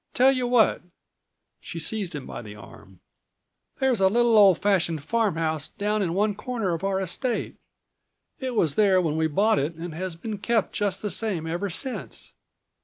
Tell you what," she seized him by the arm; "there's a little old fashioned farmhouse down in one corner of our estate. It was there when we bought it and has been kept just the same ever since.